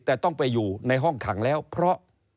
แต่ต้องไปอยู่ในห้องขังแล้วเพราะ